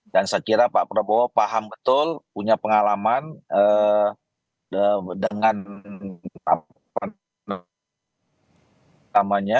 dan saya kira pak prabowo paham betul punya pengalaman dengan apa yang saya katakan tadi ya